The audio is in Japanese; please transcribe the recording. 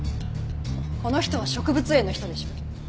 この人は植物園の人でしょ？